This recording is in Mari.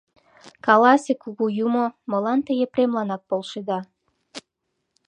Каласе, кугу юмо, молан те Епремланак полшеда?